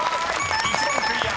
１問クリア！